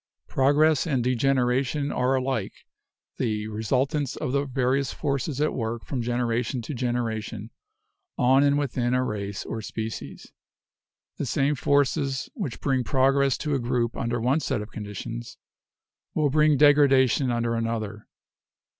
Progress and degen eration are alike the resultants of the various forces at work from generation to generation on and within a race or species. The same forces which bring progress to a group under one set of conditions will bring degradation under another.